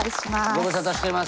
ご無沙汰してます。